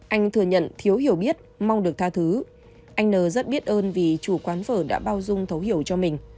anh thừa nhận thiếu hiểu biết mong được tha thứ anh n rất biết ơn vì chủ quán phở đã bao dung thấu hiểu cho mình